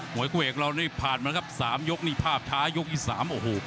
วยคู่เอกเรานี่ผ่านมาครับสามยกนี่ภาพช้ายกที่สามโอ้โห